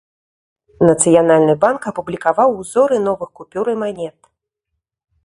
Нацыянальны банк апублікаваў узоры новых купюр і манет.